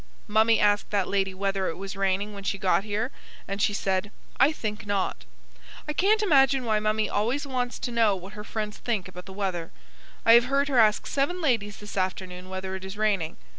Mummie asked that lady whether it was raining when she got here; and she said: "I THINK not." I can't imagine why Mummie always wants to know what her friends think about the weather. I have heard her ask seven ladies this afternoon whether it is raining.